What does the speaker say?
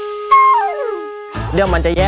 ขอบคุณมากค่ะ